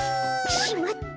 しまった！